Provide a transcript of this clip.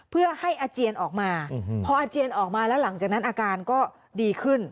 เพื่อให้อาเจียนออกมาพออาเจียนออกมาแล้วหลังจากนั้นอาการก็ดีขึ้น